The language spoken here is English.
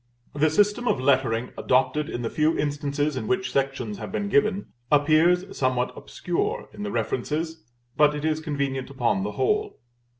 The system of lettering adopted in the few instances in which sections have been given, appears somewhat obscure in the references, but it is convenient upon the whole.